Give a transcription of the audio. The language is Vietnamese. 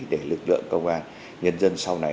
để lực lượng công an nhân dân sau này